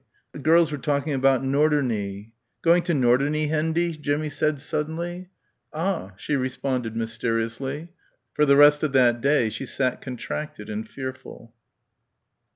The girls were talking about "Norderney." "Going to Norderney, Hendy?" Jimmie said suddenly. "Ah!" she responded mysteriously. For the rest of that day she sat contracted and fearful.